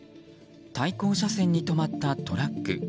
対向車線に止まったトラック。